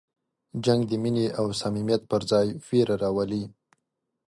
جنګ د مینې او صمیمیت پر ځای وېره راولي.